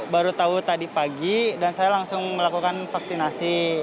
baru tahu tadi pagi dan saya langsung melakukan vaksinasi